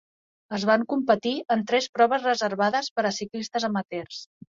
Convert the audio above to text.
Es van competir en tres proves reservades per a ciclistes amateurs.